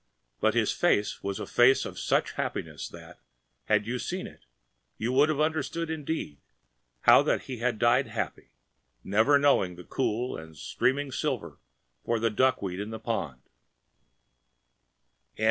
But his face was a face of such happiness that, had you seen it, you would have understood indeed how that he had died happy, never knowing the cool and streaming silver for the duckweed in the pond.